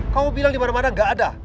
kamu bilang dimana mana gak ada